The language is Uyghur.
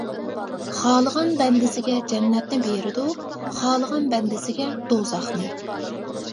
خالىغان بەندىسىگە جەننەتنى بېرىدۇ، خالىغان بەندىسىگە دوزاخنى.